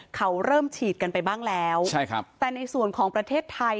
เขาเริ่มฉีดกันไปบ้างแล้วใช่ครับแต่ในส่วนของประเทศไทย